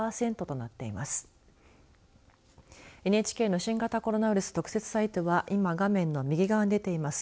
ＮＨＫの新型コロナウイルス特設サイトは今、画面の右側に出ています